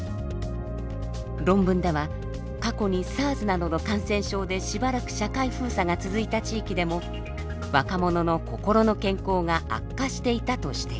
論文では過去にＳＡＲＳなどの感染症でしばらく社会封鎖が続いた地域でも若者の心の健康が悪化していたと指摘。